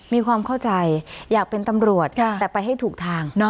มีความเข้าใจอยากเป็นตำรวจแต่ไปให้ถูกทาง